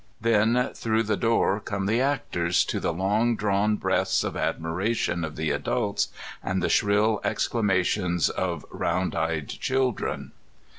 Then through the door come the actors, to the long drawn breaths of admiration of the adults and the shrill exclamations of round eyed children.